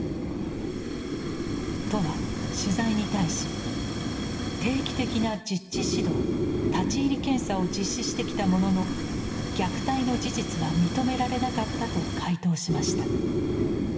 都は取材に対し「定期的な実地指導立入検査を実施してきたものの虐待の事実は認められなかった」と回答しました。